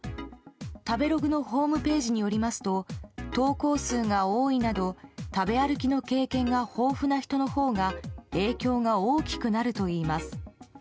食べログのホームページによりますと投稿数が多いなど食べ歩きの経験が豊富な人のほうが影響が大きくなるといいます。